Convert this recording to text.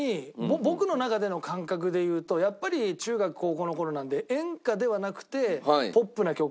僕の中での感覚で言うとやっぱり中学高校の頃なんで演歌ではなくてポップな曲になっちゃうんですよね